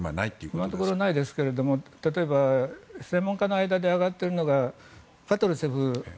今のところないですが例えば専門家の間で挙がっているのがパトルシェフさん